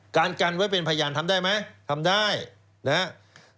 การกันไว้เป็นพยานทำได้ไหมทำได้นะครับ